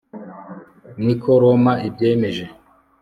ni ko roma ibyemeje